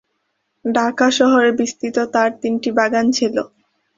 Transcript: ঢাকা শহরে বিস্তৃত তার তিনটি বাগান ছিল।